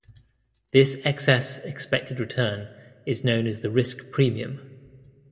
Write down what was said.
This excess expected return is known as the risk premium.